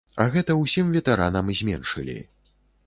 А гэта ўсім ветэранам зменшылі.